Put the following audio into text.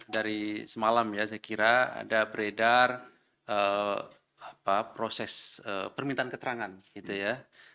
dari semalam ya saya kira ada beredar proses permintaan keterangan gitu ya